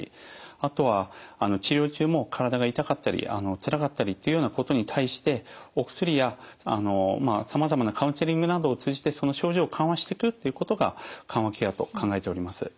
あとは治療中も体が痛かったりつらかったりというようなことに対してお薬やさまざまなカウンセリングなどを通じてその症状を緩和してくっていうことが緩和ケアと考えております。